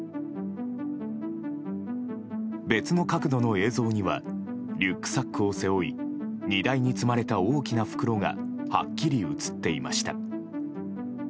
別の角度の映像にはリュックサックを背負い荷台に積まれた大きな袋がはっきり映っていました。